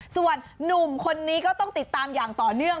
ส่วนหนุ่มคนนี้ก็ต้องติดตามอย่างต่อเนื่อง